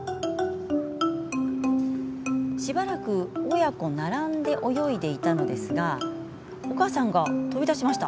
しばらく親子並んで泳いでいたのですがお母さんが飛び出しました。